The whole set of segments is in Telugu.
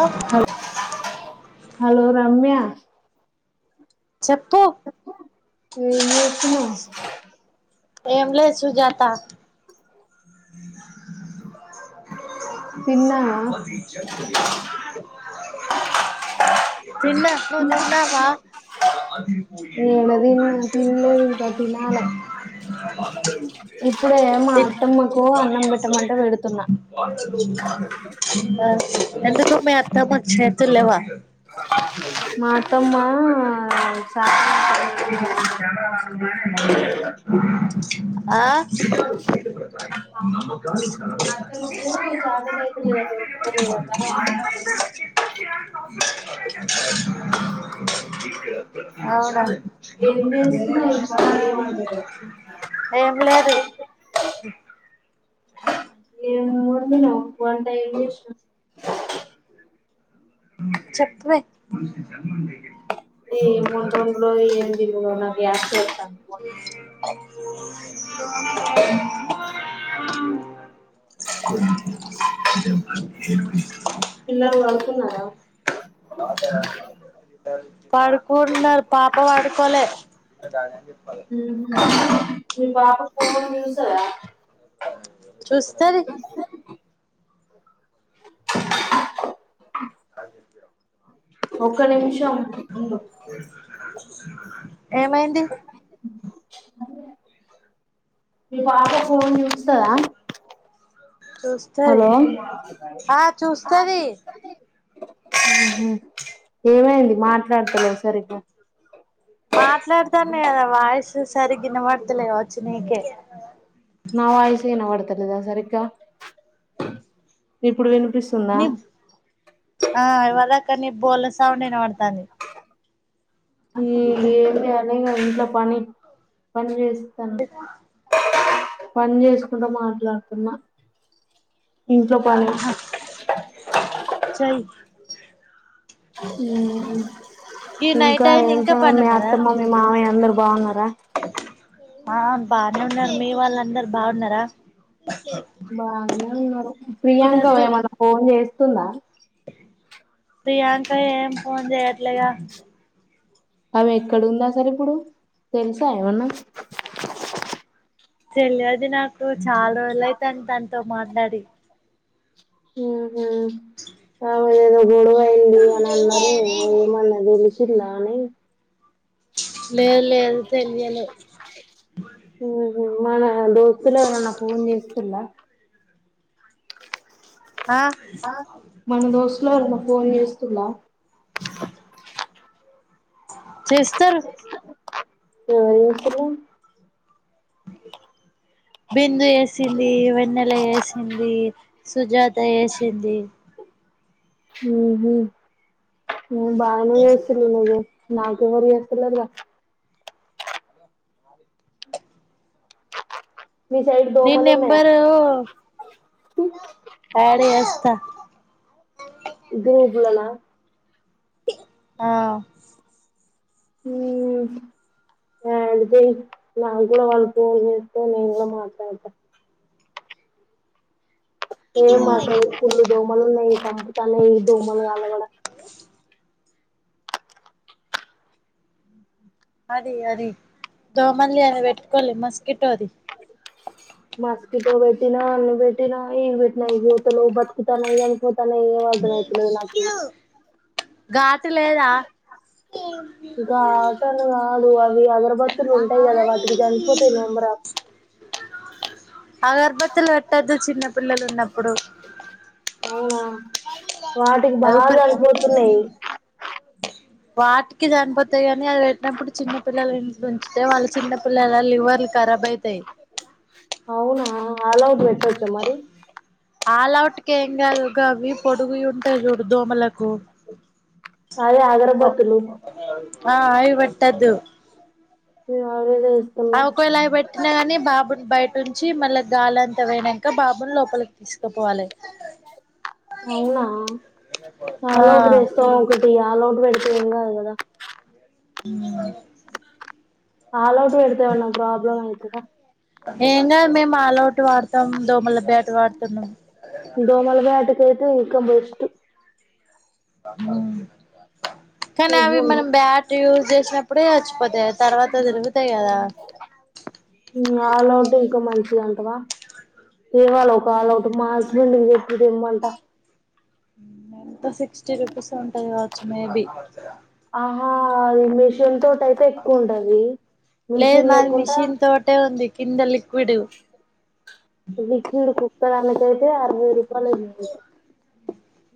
ఆ హలో రమ్యా చెప్పు ఏం చేస్తున్నావ్ ఎం లే సూజత తిన్నావా [inaudible] తిన్నా తిన్నావా ఏడ తిన్న తినలేదు ఇంకా తినాలే ఇప్పుడే మా అత్తమ్మకు అన్నం పెట్టమంటే పెడుతున్నా ఎంతక మ అత్తా పచ్చ లవా [inaudible] మా అత్తమ్మ చా ఓకే ఆ నమకా [inaudible] ద అ [inaudible] అవునా ఏం చేస్తున్నావ్ ఇంకా ఏం ఏం లేదు అ ఏ మూడు దిన ఒప్పుంట ఇందిష్ట చెప్పే ఏ మ బన్గ ఎ నాకత ఓ [inaudible] కొన్ని జ హరు పిల్లలు పడుకున్నారా పడుకున్నారు పాప పడుకోలే ఇ బ ఫోన్ చూస్తాడా చూస్తది [inaudible] ఒక నిమిషం ఉండు ఏమైంది మీ పాప ఫోన్ చూస్తాద చూస్తది ఆ చూస్తది ఆహ ఏమైంది మాట్లాడతలెవ్ సరిగా మాట్లాడతన కదా వాయిస్ సరిగా ఇనపడ్త లేద్గవచ్ నీకే నా వాయిస్ ఇనబడ్ లేదా సరిగ్గా ఇప్పుడు విను నిప్ ఆ ఇవాళక్ కాని బోళ్ళ సౌండ్ ఇనపడతాంది మీ ఏంటినే నా పని పని చేస్తున్న పని చేసుకుంట మాట్లాడుతున్నా ఇంట్లో పని ఆహా చెయ్ ఈ నైట్ ఇంకా అయింది ఏం ఇంకా సంగతి పని మీ ఉన్నదా అత్తమా మీ మామయ్య అందరు బాగున్నారా ఆ బానే ఉన్నారు మీ వాళ్ళందరు బాగున్నారా బాగానే ఉన్నారు ప్రియాంక ఇదద్దు ఏమన ఫోన్ చేస్ స్తుందా ప్రియాంక ఏం ఫోన్ చెయట్లేగా ఆమె ఎక్కడ ఉంది అసలు ఇప్పుడు తెలుసా ఏమన్నా తెలియది నాకు చాలా రోజులైతాంది తనతో మాట్లాడి ఊహూ ఆమె ఏదో మీ గొడవైంది అని అన్నారు ఏమన్నా తెలిసిందా చిల్లని లేదు లేదు తెలియలే మన మన దోస్తులు ఎవరన్నా ఫోన్ చేసి తుల్లా ఆ మన దోస్తులు ఎవరన్నా ఫోన్ చేస్తూలా చేస్తుర్రు ఎవరు చేస్తుర్రు బిందు చేసింది వెన్నెల చేసింది సుజాత చేసింది ఉహ నువ్వు బాగానే చేసిర్రు నువ్వు నాకు ఎవరు చేస్తలేరుగా మీ సైడ్ నీన్ దోమలు ఉన్నాయా నెంబరు యాడ్ చే స్తా గ్రూప్ లోనా ఆ యాడ్ చేయి నక్ కూడా వాళ్ళు ఫోన్ చేస్తే నేను కూడా మాట్లాడతా ఏ మా సైడ్ ఫుల్ దోమలు ఉన్నాయి చంపుతానాయి ఈ దొమ్మళ్ళు వల కూడా అది అది దోమలది అనే పెట్టుకోలే మస్కిటో ది మాస్కితో భెటినా అ బెటీటినా ఏ భేటిన్నాత లో బత్కుతా చనిపో [unintelligible] నే ఏం అర్థం అయితలేదు నాకు గాటు లేదా ఇంకా ఆటలు కాదు అవి ఎగర ఆఫ్ అగర్భతులు పెట్టొద్దు దు చిన్న పిల్లలు ఉన్నప్పుడు అవునా వాటికి అది బాగా ఊపిరి చనిపోతున్నాయి వాటికి చనిపోతాయి కాని అది పెట్టినప్పుడు చిన్న పిల్లల ఇంట్లో ఉంచితే వాళ్ళ చిన్న పిల్లల లివర్లు కరబ్ అయితాయి అవునా ఆలౌట్ పెట్టచ్చ మరి ఆలౌట్ కీ ఏం కాదు ఒక పొడుగుయి ఉంటాయి చూడు దోమలకు అదే అగరబత్తులు ఆ అయిబెట్టదు అవే తెస్తున్నా అవకోలా పెట్టినా గాని బాబు బయటినుంచి వచ్చి మళ్ళా గాలంతా పోయి నాక బాబుని లోపలికి తీసుకుపోవాలి అవునా ఆ అలౌట్ పెడితే ఇంకా కదా అ ఆల్ అఔట్ పెడతే ఎమన్న ప్రాబ్లమ నీకు స ఏంకాద్ మేము ఆల్ అవుట్ వాడతాం దోమల బ్యాట్ వాడుతాం తను దోమల్ బేట్ తే ఇంక బెస్ట్ అ కానీ ఎవ్వి అవి ఉండవు మనం బ్యాట యూజ్ చేసినప్పుడే చచ్చిపోతాయి తర్వాత దొరుగుతాయి కదా వా బీరువాలో ఒక అలౌట్ మా హస్బెండ్ కి చెప్పిందెమ్మంట ఊ ఎంత సిక్స్టీ రూపీస్ ఉంటాయి కావచ్చు మేబి అహో ఈ మీషన్తో అయితే ఎక్కువ ఉంటది లేదు మీషన్ మాది లేకుండా మిషన్ తోటే ఉంది కింద లిక్విడ్ లిక్విడ్ కు పోతే అడ నూరు రూపాయలు అయిందట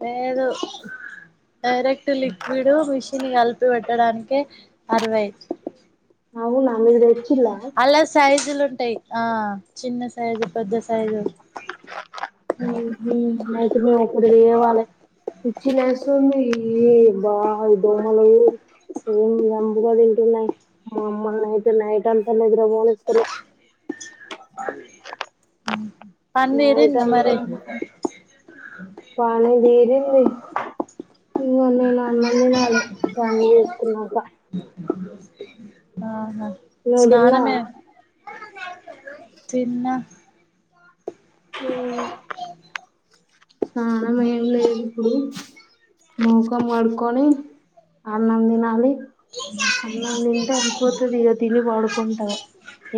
లేదు డైరెక్ట్ లిక్విడ్ మిషన్ కలిపి పెట్టడానికి అరవై అవునా మీరూ తెచ్చి అలా సైజులు ఉంటాయి ఆ చిన్న సైజు పెద్ద సైజు ఉహు ఓ [unintelligible] ఇప్పుడు ఏ వాళ్ళకు చినస్తుంది ఈ బాగా దోమలు ఏం సంపుగా తింటున్నాయి మమ్మల్ని అయితే నైట్ అంతలేదు నిద్ర పోనిస్తలే ఉహు నైట్ అంత పని తీరి ఇంది నేను అన్నం తినాలి పని చేసుకున్నాక ఆహా నువ్వు స్నానమే తిన్నావా తిన్నా హూ స్నానం ఏం లేదు ఇప్పుడు మూఖం కడుక్కొని అన్నం తినాలి అన్నం తింటే అయిపోతది ఇక తిని పడుకుంటా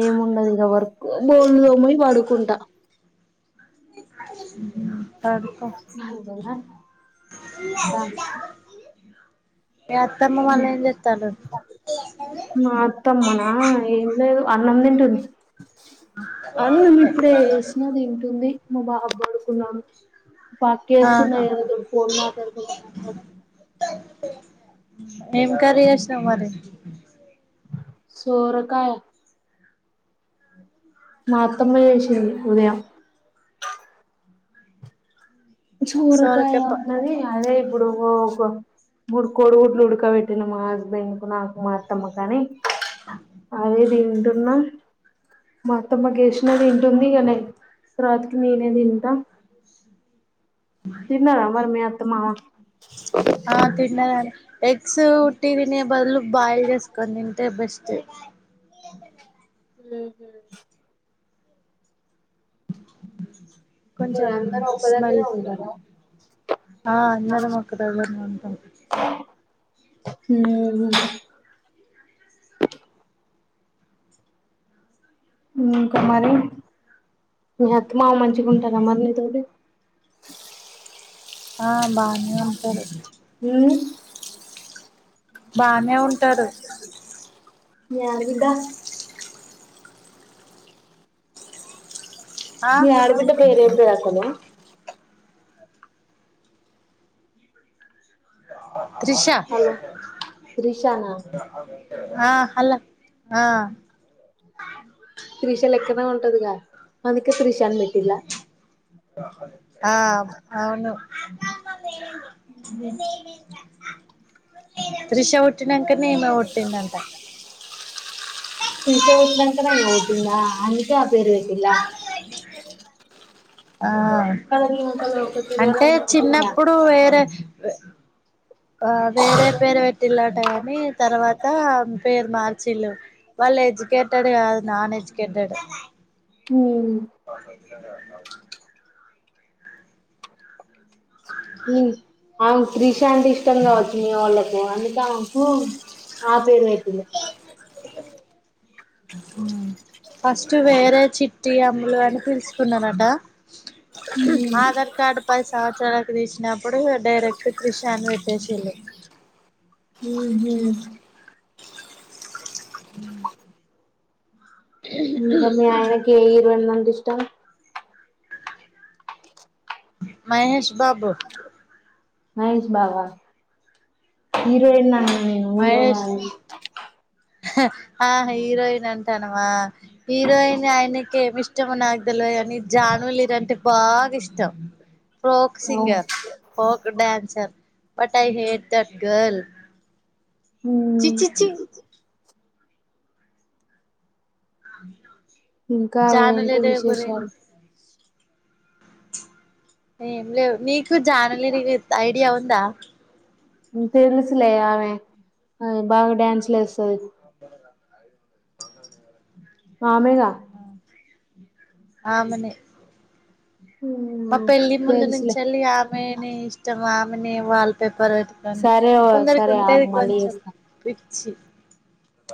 ఏముండదు ఇక వర్క్ బోన్లు దోమి పడుకుంటా త్త ఉహు హరిత ఈ అత్తమ్మ వాళ్ళు ఏం చేత్తరు ఆ ఏం లేదు అన్నందింటుది అవును నువ్వు ఇప్పుడు ఏసిన తింటుంది మా బాబు బడు పక్కేస్తున్నా ఆహా ఏదో ఫోన్ మాట్లాడకుండా మాట్లాడుకు ఏం కర్రీ చేసావ్ మరి సొరకాయ మాతమ్మ చేసింది ఉదయం చూరుకాయ సొరకాయ ప ఉన్నది అదే ఇప్పుడు మూడు కోడుగుట్లు ఉడకబెట్టిన మా హస్బెండ్ కు నాకు మా అత్తమ్మ కాని అదే తింటూ నా మాత్తమ్మగేసినా తింటుంది ఇంకా నే తరువాతికి నేనే తింటా తిన స్ టి తినే బదులు బాయిల్ చేసుకొని తింటే బెస్ట్ హ కొంచెం మీరందరూ ఒక్క స్మెల్ దగ్గరే ఉంటారా ఆ అన్నరు మాక్కదంట [unintelligible] మ్మ్ ఇంకా మరి మీ అత్తమామ మంచిగా ఉంటారా మరి నీతోటి ఆ బానే ఉంటారు మ్మ్ బానే ఉంటారు మీ ఆడబిడ్డ ఆ మీ ఆడబిడ్డ పేరు ఏం పేరు అసలు త్రిష హలో త్రిషానా అదే అహా నేను ఆ హలో ఆ త్రిష లెక్కనే ఉంటదిగా అందుకే త్రిష అని పెట్టి లా అ అవును మేమెంత త్రిష పుట్టినంక నే ఈమే పుట్టిందంట త్రిష పుట్టినంక నే ఈమే పుట్టింద అందుకే ఆ పేరు పెట్టి లా అ అంటే చిన్నప్పుడు వేరే అ ఆ వేరే పేరు పెట్టిలట గా ని తర్వాత పేరు మార్చిలు వాళ్లు ఎడ్యుకేటెడ్ కాదు నాన్ ఎడ్యుకేటెడ్ మ్ మ్ [inaudible] మ్ అ త్రి ష అంటే ఇష్టం గావొచ్చు మి వొళ్ళకు అందు కే ఆమెకు ఆ పేరు పెట్టి లు మ్ ఫస్ట్ వేరే చిట్టి అమ్ములు అని పిలుసుకున్నారట ఆధార్ కార్డ్ పై సంవత్సరానికి తీసినప్పుడు డైరెక్ట్ త్రిష అని పెట్టేసి లు మ్ హూ మ్ [inaudible] ఇంక మి అయనకి ఏ హీరోయిన్లు అం టే ఇష్టం మహేష్ బాబు మహేష్ బాబా హీరోయిన్ అన్న నేను హీరో మహేష్ కాదు ఆ హీరోయిన్ అంటానావా హీరోయిన్ ఆయనకి ఏమి ఇష్టమె నాకు తెలువదు కాని జాను లిరి అంటే బాగా ఇష్టం folk singer folk dancer but I hate that girl చి ఉమ్ చి చి అవున ఇంకా ఏంటి విశేషాలు ఏం లేవు నీకు జానలే ఐడియా ఉందా తెరిలిసలే ఆన్ బాగా డ్యాన్స్లేస్ [inaudible] మామేగా ఆమనే మా పెళ్ళి ముందు తెలుసులే నుంచళ్లి ఆమెని ఇ తమ న వాళ్ పేపర్ పెట్ కాని సరే కొందరికి సరే ఆగు ఉంటేది మళ్ళీ కొంచెం చేస్తా [inaudible]